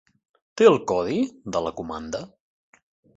Té el codi de la comanda?